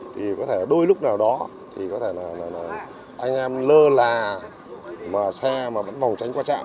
thì có thể đôi lúc nào đó thì có thể là anh em lơ là mà xe mà vẫn màu tránh qua trạm